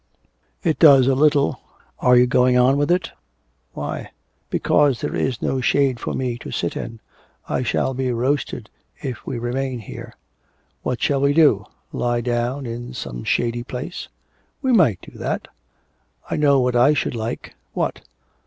'It does a little. Are you going on with it?' 'Why?' 'Because there is no shade for me to sit in. I shall be roasted if we remain here.' 'What shall we do? Lie down in some shady place?' 'We might do that.... I know what I should like.' 'What?'